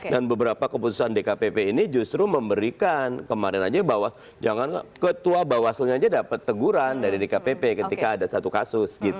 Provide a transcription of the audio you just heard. dan beberapa keputusan dkpp ini justru memberikan kemarin saja bahwa ketua bawaslu dapat teguran dari dkpp ketika ada satu kasus